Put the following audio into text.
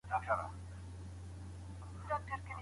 ولي هوډمن سړی د ذهین سړي په پرتله لوړ مقام نیسي؟